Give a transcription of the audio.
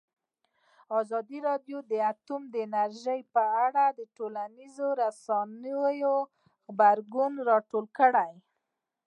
ازادي راډیو د اټومي انرژي په اړه د ټولنیزو رسنیو غبرګونونه راټول کړي.